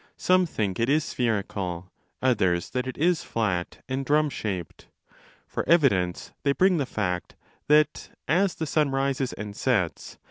Some think it is spherical, others that it is flat and drum shaped. For evidence they bring the fact that, as the 294° 1 und' in 1.